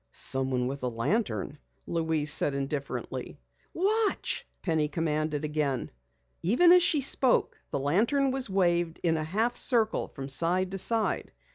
"Someone with a lantern," Louise said indifferently. "Watch!" Penny commanded again. Even as she spoke, the lantern was waved in a half circle from side to side.